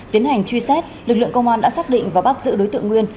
tiến hành truy xét lực lượng công an đã xác định và bắt giữ đối tượng nguyên